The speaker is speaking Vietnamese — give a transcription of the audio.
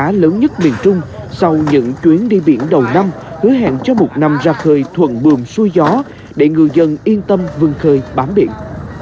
bán cá lớn nhất miền trung sau những chuyến đi biển đầu năm hứa hẹn cho một năm ra khơi thuận bường xuôi gió để người dân yên tâm vương khơi bám biển